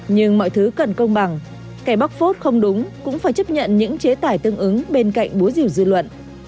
nhưng mọi thứ cần công bằng kẻ bóc phốt không đúng cũng phải chấp nhận những chế tải tương ứng bên cạnh búa rìu dư luận